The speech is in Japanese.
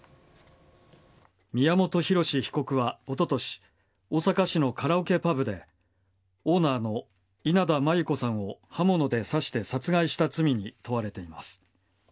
宮本浩志被告は、おととし大阪市のカラオケパブでオーナーの稲田真優子さんを刃物で刺して殺害した罪に問われています。